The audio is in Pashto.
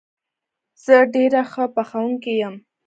زه ډېره ښه پخوونکې یم